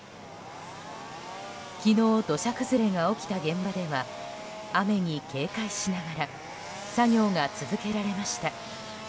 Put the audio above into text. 昨日、土砂崩れが起きた現場では雨に警戒しながら作業が続けられました。